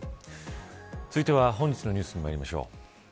続いては本日のニュースにまいりましょう。